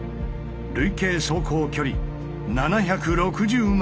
累計走行距離７６０万ｋｍ。